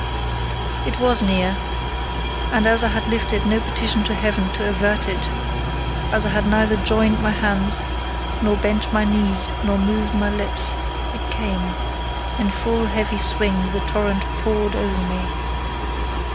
It was near: and as I had lifted no petition to Heaven to avert it—as I had neither joined my hands, nor bent my knees, nor moved my lips—it came: in full heavy swing the torrent poured over me.